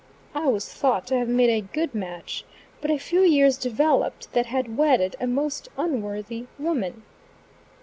I was thought to have made a good match; but a few years developed that had wedded a most unworthy woman.